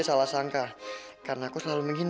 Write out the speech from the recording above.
biar aku yang jelasin